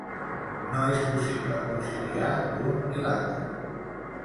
No és possible conciliar l'un i l'altre.